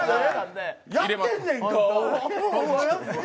やってんねん、顔。